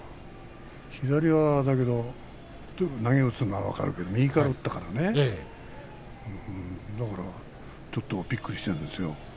左は投げを打つなら分かるけど右からだからね、ちょっとびっくりしているんですよ。